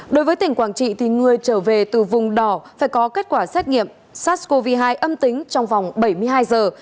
đối với tỉnh quảng trị người trở về từ vùng đỏ phải có kết quả xét nghiệm sars cov hai âm tính trong vòng bảy mươi hai giờ